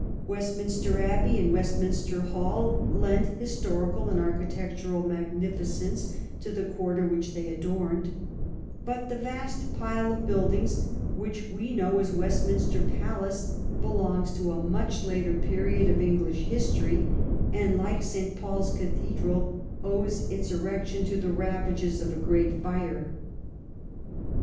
*' Westminster Abbey and Westminster Hall lent his torical and architectural magnificence to the quarter which they adorned, but the vast pile of buildings which we know as Westminster Palace belongs to a much later period of English history, and, like St. Paul's Cathedral, owes its erection to the ravages of a great fire.